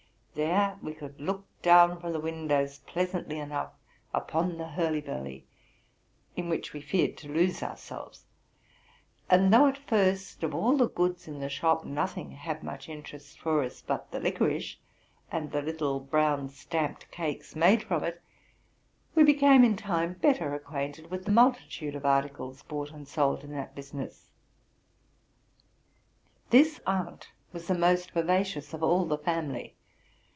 There we could look down from the windows pleasantly enough upon the hurly burly, in which we feared to lose our selyes; and though at first, of all the goods in the shop, nothing had much interest for us but the licorice e, and the little brown stamped cakes made from it, we became in time better acquainted with the multitude of articles hought and sold in that business. This aunt was the most vivacious of all the family.